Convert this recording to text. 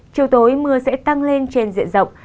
chiều tối mưa sẽ tăng lên trên diện rộng